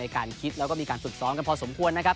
การคิดแล้วก็มีการฝึกซ้อมกันพอสมควรนะครับ